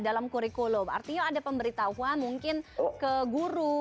dalam kurikulum artinya ada pemberitahuan mungkin ke guru